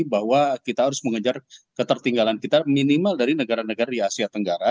bahwa kita harus mengejar ketertinggalan kita minimal dari negara negara di asia tenggara